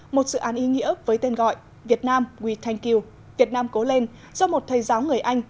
một sự án ý nghĩa với tên gọi việt nam we thank you việt nam cố lên do một thầy giáo người anh